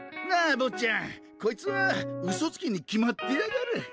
なあ坊っちゃんこいつはウソつきに決まってやがる！